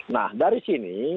nah dari sini